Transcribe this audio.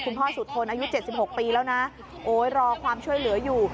พ่อสุธนอายุ๗๖ปีแล้วนะโอ๊ยรอความช่วยเหลืออยู่